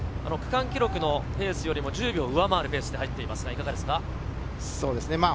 区間記録のペースよりも１０秒を上回るペースで入っていますね。